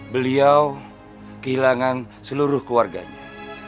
beliau kehilangan seluruh keluarganya